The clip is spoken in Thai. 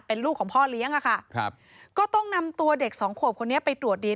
เป็นลูกของพ่อเลี้ยงนะคะ